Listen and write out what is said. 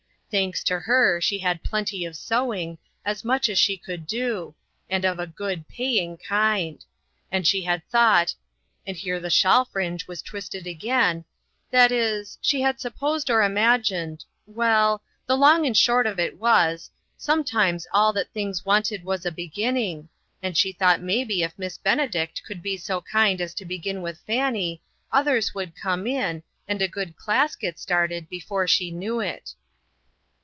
Thanks to her, she had plenty of sewing, as much as she could do, and of a good, paying kind ; and she had thought and here the shawl fringe was twisted again that is, she had supposed or imagined well, the long and short of it was, sometimes all that things wanted was a beginning, and she thought maybe if Miss AN OPEN DOOR. 55 Benedict could be so kind as to begin with Fanny, others would come in, and a good class get started before she knew it.